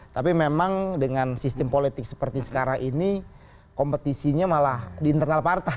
tapi memang dengan sistem politik seperti sekarang ini kompetisinya malah di internal partai